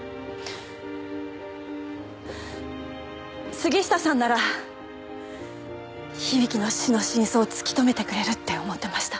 杉下さんなら響の死の真相を突き止めてくれるって思ってました。